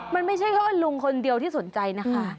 มันไม่ใช่แค่ลุงคนเดียวที่สนใจนะคะ